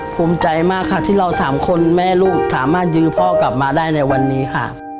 ภูมิใจมากค่ะที่เราสามคนแม่ลูกสามารถยื้อพ่อกลับมาได้ในวันนี้ค่ะ